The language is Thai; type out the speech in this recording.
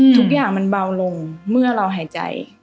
ทุกอย่างมันเบาลงเมื่อเราหายใจ